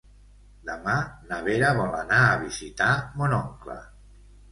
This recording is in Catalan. Demà na Vera vol anar a visitar mon oncle.